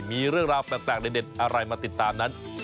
มีเรื่องราวแปลกเด็ดอะไรมาติดตามนั้น